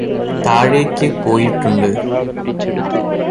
താഴേയ്ക് പോയിട്ടുണ്ട്